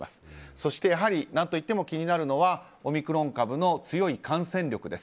そして、やはり何といっても気になるのはオミクロン株の強い感染力です。